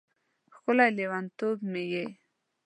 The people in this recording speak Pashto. ښکلی لیونتوب مې یې